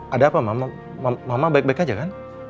ada apa mama mama baik baik aja kan